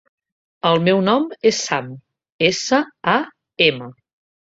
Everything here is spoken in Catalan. El meu nom és Sam: essa, a, ema.